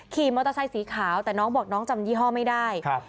ขี่มอเตอร์ไซค์สีขาวแต่น้องบอกน้องจำยี่ห้อไม่ได้ครับ